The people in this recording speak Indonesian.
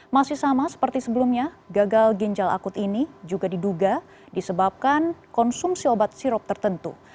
masih sama seperti sebelumnya gagal ginjal akut ini juga diduga disebabkan konsumsi obat sirop tertentu